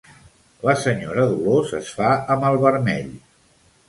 La senyora Dolors es fa amb el vermell.